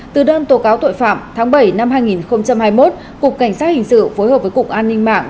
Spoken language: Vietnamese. từ đơn tố cáo tội phạm tháng bảy năm hai nghìn hai mươi một cục cảnh sát hình sự phối hợp với cục an ninh mạng